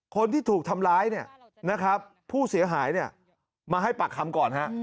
คนที่ถูกทำร้ายผู้เสียหายมาให้ปากคำก่อน